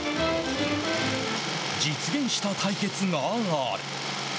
実現した対決がある。